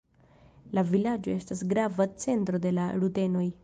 La vilaĝo estas grava centro de la rutenoj.